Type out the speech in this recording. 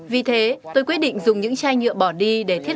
vì thế tôi quyết định dùng những chai nhựa bỏ đi để thay đổi